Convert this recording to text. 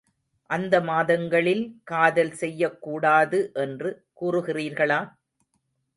அந்த மாதங்களில் காதல் செய்யக் கூடாது என்று கூறுகிறீர்களா?